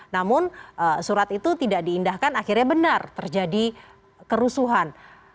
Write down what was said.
namun surat itu tidak diindahkan akhirnya benar terjadi kerusuhan